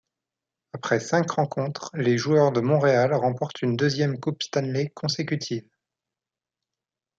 Après cinq rencontres, les joueurs de Montréal remportent une deuxième Coupe Stanley consécutive.